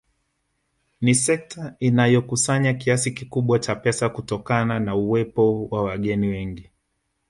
Ni sekta inayokusanya kiasi kikubwa cha pesa kutokana na uwepo wa wageni wengi